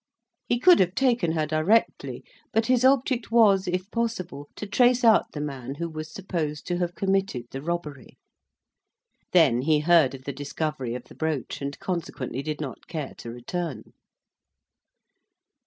He could have taken her directly; but his object was, if possible, to trace out the man who was supposed to have committed the robbery. Then he heard of the discovery of the brooch; and consequently did not care to return.